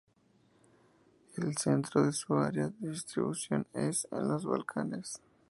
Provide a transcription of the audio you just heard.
El centro de su área de distribución es en los Balcanes.